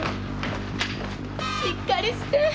しっかりして！